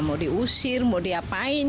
mau diusir mau diapain